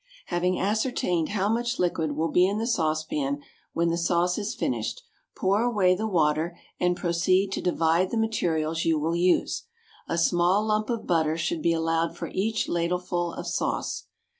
Having ascertained how much liquid will be in the saucepan when the sauce is finished, pour away the water and proceed to divide the materials you will use. A small lump of butter should be allowed for each ladleful of sauce.